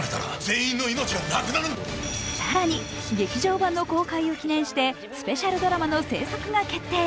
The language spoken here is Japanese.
更に、劇場版の公開を記念してスペシャルドラマの制作が決定。